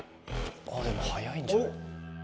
あぁでも早いんじゃ？